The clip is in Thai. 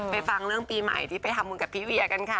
ฟังเรื่องปีใหม่ที่ไปทำบุญกับพี่เวียกันค่ะ